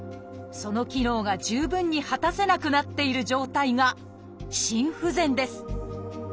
その機能が十分に果たせなくなっている状態が「心不全」です。